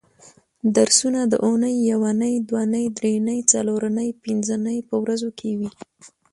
درسونه د اونۍ یونۍ دونۍ درېنۍ څلورنۍ پبنځنۍ په ورځو کې وي